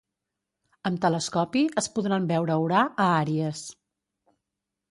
amb telescopi es podran veure Urà a Àries